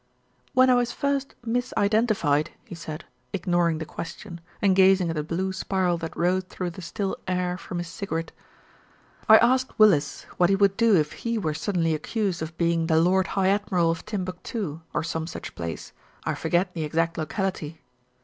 "When I was first mis identified," he said, ignoring the question and gazing at the blue spiral that rose through the still air from his cigarette, "I asked Willis what he would do if he were suddenly accused of being ERIC PLAYS A PART 269 the Lord High Admiral of Timbuctoo, or some such place, I forget the exact locality.